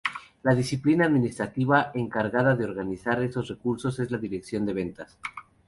La disciplina administrativa encargada de organizar esos recursos es la dirección de ventas.